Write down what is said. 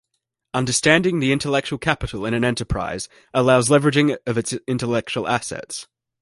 Understanding the intellectual capital in an enterprise allows leveraging of its intellectual assets.